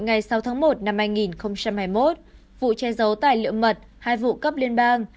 ngày sáu tháng một năm hai nghìn hai mươi một vụ che giấu tài liệu mật hai vụ cấp liên bang